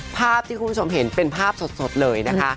ภาพที่คุณผู้ชมเห็นเป็นภาพสดเลยนะคะ